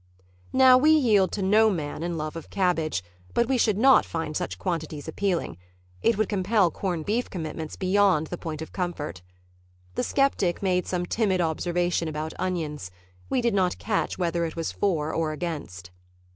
Now we yield to no man in love of cabbage, but we should not find such quantities appealing. It would compel corn beef commitments beyond the point of comfort. The skeptic made some timid observation about onions. We did not catch whether it was for or against.